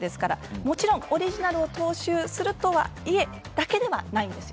もちろん、オリジナルを踏襲するとはいえ踏襲するだけではないんです。